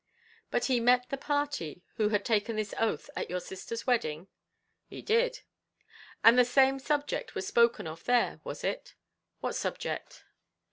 "But he met the party who had taken this oath at your sister's wedding?" "He did." "And the same subject was spoken of there; was it?" "What subject?"